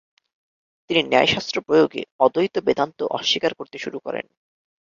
তিনি ন্যায়শাস্ত্র প্রয়োগে অদ্বৈত বেদান্ত অস্বীকার করতে শুরু করেন।